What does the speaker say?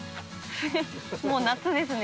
もう夏ですね。